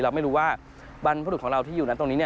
เราไม่รู้ว่าบรรพลุทธของเราที่อยู่ตรงนี้